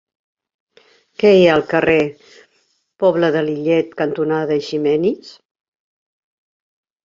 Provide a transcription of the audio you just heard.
Què hi ha al carrer Pobla de Lillet cantonada Eiximenis?